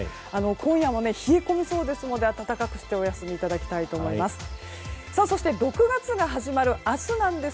今夜は冷え込みそうですので暖かくしてお休みいただきたいと思います。